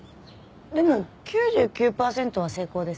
でも９９パーセントは成功ですよね。